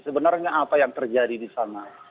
sebenarnya apa yang terjadi di sana